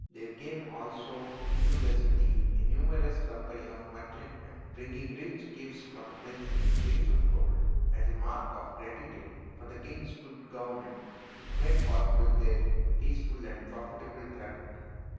There came also into the city a numerous company of merchantmen, bringing rich gifts for the prince in trays of gold as a mark of gratitude for the king's good government, which made possible their peaceful and profitable traffic.